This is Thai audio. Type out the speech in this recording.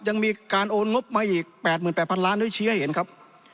ยังมีการโอนงบมาอีกแปดหมื่นแปดพันล้านด้วยชี้ให้เห็นครับ